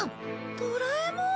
ドラえもん！